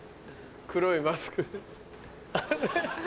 黒いマスクあれ？